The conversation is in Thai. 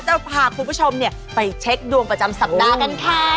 จะพาคุณผู้ชมไปเช็คดวงประจำสัปดาห์กันค่ะ